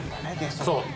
そう！